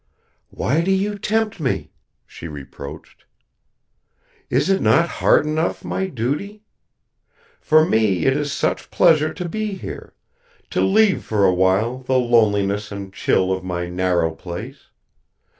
"Why do you tempt me?" she reproached. "Is it not hard enough, my duty? For me it is such pleasure to be here to leave for a while the loneliness and chill of my narrow place!